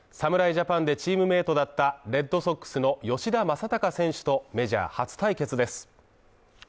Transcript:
ジャパンでチームメートだったレッドソックスの吉田正尚選手とメジャー初対決です。